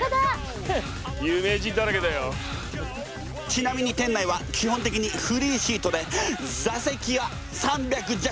ちなみに店内は基本的にフリーシートで座席は３００弱。